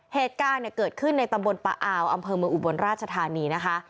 เหตุการณ์เกิดขึ้นในตำบลปะอาวอำเภอเมืองอุบลราชธานีนะคะ